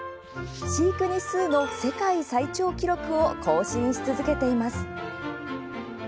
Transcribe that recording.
飼育日数の世界最長記録を更新し続けています。